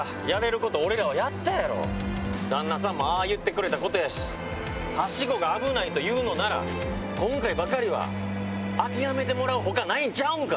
旦那さんもああ言ってくれたことやしはしごが危ないと言うのなら今回ばかりは諦めてもらうほかないんちゃうんか？